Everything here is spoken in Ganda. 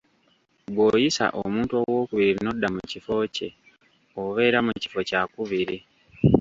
Bw'oyisa omuntu owookubiri n'odda mu kifo kye, obeera mu kifo kyakubiri.